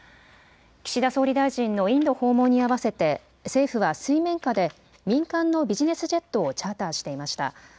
岸田総理大臣のインド訪問にあわせて政府は水面下で民間のビジネスジェットをチャーターしていました。